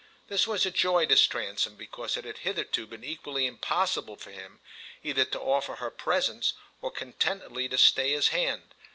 This was a joy to Stransom, because it had hitherto been equally impossible for him either to offer her presents or contentedly to stay his hand.